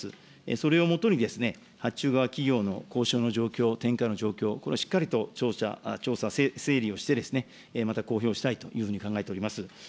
それをもとに発注側企業の交渉の状況、転嫁の状況、これをしっかりと調査、整理をして、また公表したいというふうに考えております。